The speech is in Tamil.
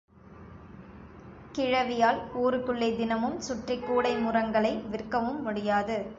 கிழவியால் ஊருக்குள்ளே தினமும் சுற்றிக் கூடை முறங்களை விற்கவும் முடியாது.